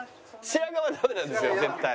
白髪はダメなんですよ絶対。